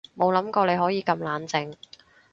冇諗過你可以咁冷靜